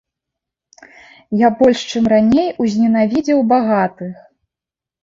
Я больш, чым раней, узненавідзеў багатых.